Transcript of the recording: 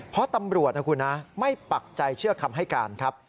เพราะตำรวจนะคุณนะไม่ปักใจเชื่อคำให้การครับ